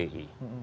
di jerman itu